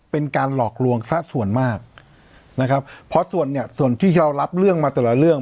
เป็นการหลอกลวงสักส่วนมากนะครับเพราะส่วนเนี่ยส่วนที่เรารับเรื่องมาแต่ละเรื่อง